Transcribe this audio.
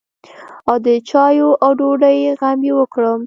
او د چايو او ډوډۍ غم يې وکړم.